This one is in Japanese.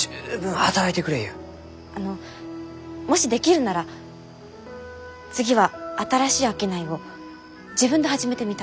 あのもしできるなら次は新しい商いを自分で始めてみたいんです。